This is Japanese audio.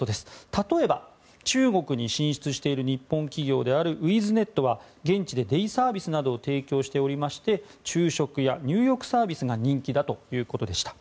例えば、中国に進出している日本企業であるウィズネットは現地でデイサービスなどを提供しておりまして昼食や入浴サービスが人気だということでした。